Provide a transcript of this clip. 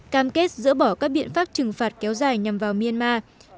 cam kết dỡ bỏ các biện pháp trừng phạt kéo dài nhằm vào myanmar